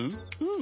ん。